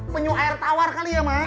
penyuh air tawar kali ya mak